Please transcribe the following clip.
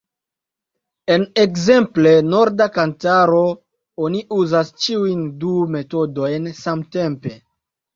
En ekzemple Norda Kantaro oni uzas ĉiujn du metodojn samtempe.